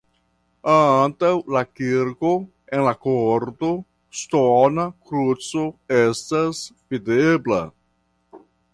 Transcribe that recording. Antaŭ la kirko en la korto ŝtona kruco estas videbla.